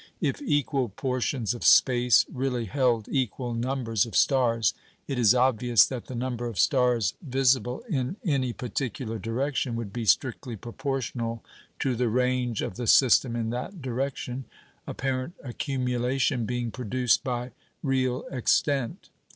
If equal portions of space really held equal numbers of stars, it is obvious that the number of stars visible in any particular direction would be strictly proportional to the range of the system in that direction, apparent accumulation being produced by real extent.